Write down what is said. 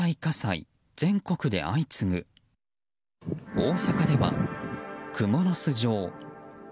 大阪ではクモの巣状。